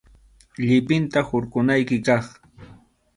Llipinta hurqukunayki kaq.